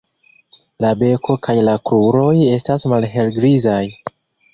La beko kaj la kruroj estas malhelgrizaj.